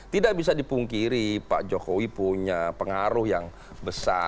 tidak bisa dipungkiri pak jokowi punya pengaruh yang besar